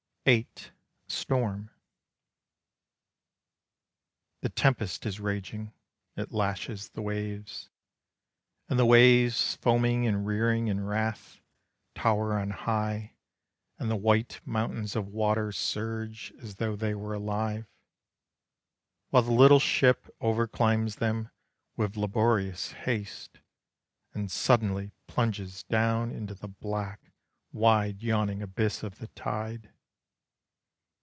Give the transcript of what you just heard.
VIII. STORM. The tempest is raging. It lashes the waves, And the waves foaming and rearing in wrath Tower on high, and the white mountains of water Surge as though they were alive, While the little ship over climbs them With laborious haste, And suddenly plunges down Into the black, wide yawning abyss of the tide.